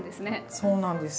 そうなんです。